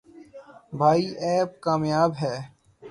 بھائی ایپ کامیاب ہے۔